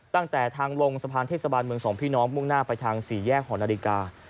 ตั้งแต่ทางลงสะพานเทศบาลเมืองสองพี่น้องมุ่งหน้าไปทางสี่แยกหอนาฬิกา